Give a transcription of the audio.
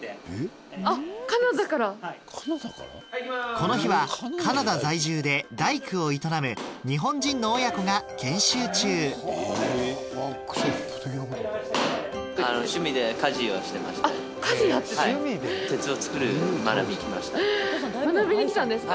この日はカナダ在住で大工を営む日本人の親子が研修中学びに来たんですか。